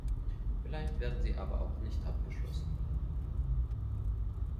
Vielleicht werden sie aber auch nicht abgeschlossen.